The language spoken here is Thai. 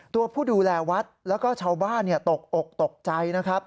ตัวผู้ดูแลวัดแล้วก็ชาวบ้านตกอกตกใจนะครับ